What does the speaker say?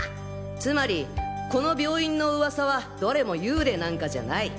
つまりこの病院のウワサはどれも幽霊なんかじゃない。